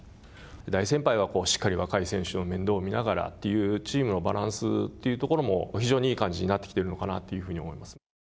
大先輩はしっかり若い選手の面倒を見ながらというチームのバランスというところも非常にいい感じになってきているのかなというふうに思います。